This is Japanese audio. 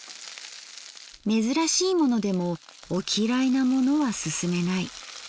珍らしいものでもお嫌いなものはすすめない。